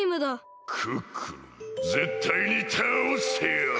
クックルンぜったいにたおしてやる！